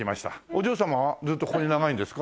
お嬢様はずっとここで長いんですか？